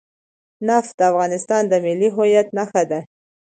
نفت د افغانستان د ملي هویت نښه ده.